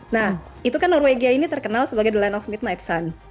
nah itu kan norwegia ini terkenal sebagai the land of midnight sun